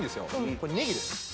これネギです